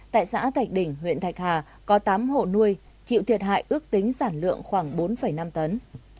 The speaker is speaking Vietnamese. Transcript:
tại xã thạch đỉnh huyện thạch hà có tám hộ nuôi chịu thiệt hại ước tính sản lượng khoảng bốn năm tấn